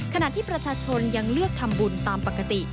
ขณะที่ประชาชนยังเลือกทำบุญตามปกติ